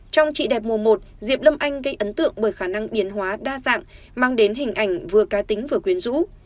trong chị đẹp mùa một diệp lâm anh gây ấn tượng bởi khả năng biến hóa đa dạng mang đến hình ảnh vừa cá tính vừa quyến rũ